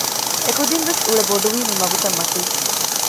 އެކުދިން ވެސް އުޅޭ ބޮޑުވީ މި މަގުތައް މަތީ